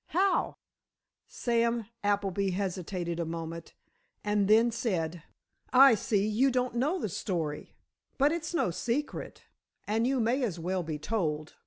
"How?" Sam Appleby hesitated a moment and then said: "I see you don't know the story. But it's no secret, and you may as well be told.